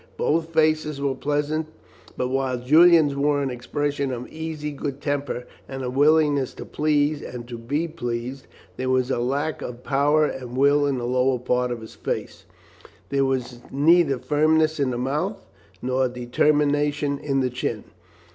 Both faces were pleasant, but while Julian's wore an expression of easy good temper, and a willingness to please and to be pleased, there was a lack of power and will in the lower part of the face; there was neither firmness in the mouth nor determination in the chin.